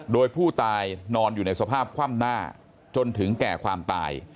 โดยผู้ตายนอนอยู่ในสภาพคว่ำหน้าจนถึงแก่ความตาย